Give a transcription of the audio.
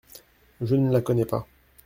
Je ne la connais pas…